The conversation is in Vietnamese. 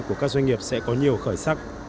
của các doanh nghiệp sẽ có nhiều khởi sắc